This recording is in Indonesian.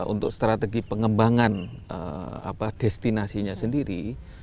untuk strategi pengembangan destinasinya sendiri